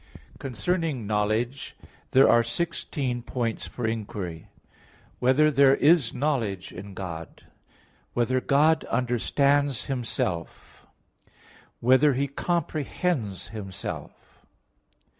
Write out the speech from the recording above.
Concerning knowledge, there are sixteen points for inquiry: (1) Whether there is knowledge in God? (2) Whether God understands Himself? (3) Whether He comprehends Himself?